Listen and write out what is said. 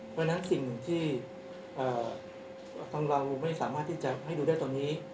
เพราะฉะนั้นสิ่งที่ทางเราไม่สามารถที่จะให้ดูได้ตอนนี้